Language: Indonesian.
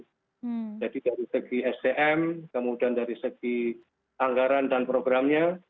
jadi dari segi sdm kemudian dari segi anggaran dan programnya